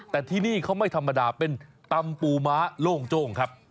แต่ที่นี่เขาไม่ธรรมดาเป็นตำปูม้าโล่งโจ้งครับ